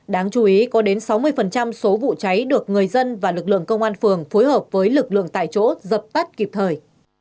đáng chú ý có đến sáu mươi số vụ cháy được người dân và lực lượng công an phường phối hợp với lực lượng tại chỗ dập tắt kịp thời